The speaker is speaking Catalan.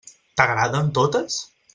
T'agraden totes?